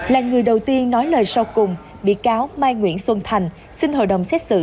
là người đầu tiên nói lời sau cùng bị cáo mai nguyễn xuân thành xin hội đồng xét xử